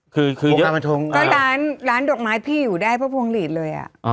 ก็ร้านดอกไม้พี่อยู่ได้เพราะพวงลีดเลย